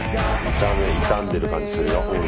傷んでる感じするよ。